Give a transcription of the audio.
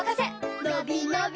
のびのび